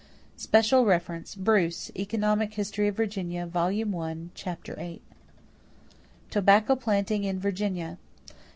Special reference: Bruce, Economic History of Virginia, Vol. I, Chap. VIII. =Tobacco Planting in Virginia.